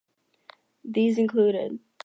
These included.